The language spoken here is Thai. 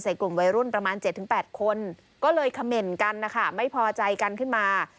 กลุ่มวัยรุ่นประมาณ๗๘คนก็เลยเขม่นกันนะคะไม่พอใจกันขึ้นมา